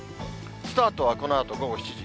スタートはこのあと午後７時。